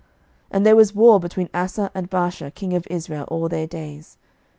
11:015:032 And there was war between Asa and Baasha king of Israel all their days.